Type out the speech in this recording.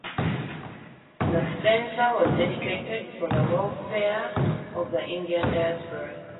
The centre was dedicated for the welfare of the Indian Diaspora.